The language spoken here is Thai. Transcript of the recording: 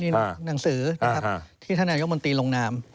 นี่หนังสือที่ท่านนายกมนตรีลงนาม